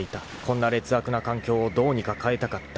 ［こんな劣悪な環境をどうにか変えたかった］